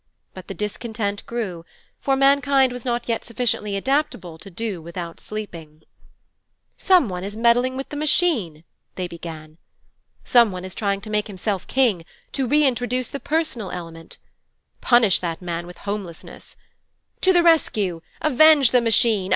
But the discontent grew, for mankind was not yet sufficiently adaptable to do without sleeping. 'Some one is meddling with the Machine ' they began. 'Some one is trying to make himself king, to reintroduce the personal element.' 'Punish that man with Homelessness.' 'To the rescue! Avenge the Machine!